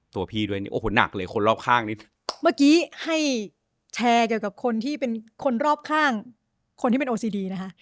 ตัวผีด้วยโอ้โหหนักเลยคนรอบข้างนิด